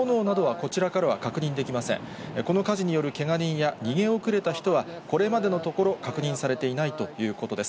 この火事によるけが人や逃げ遅れた人は、これまでのところ、確認されていないということです。